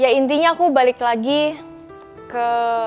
ya intinya aku balik lagi ke